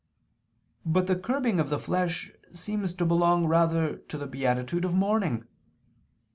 But the curbing of the flesh seems to belong rather to the beatitude of mourning.